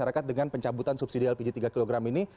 dan masyarakat dengan pencabutan subsidi lpg tiga kg ini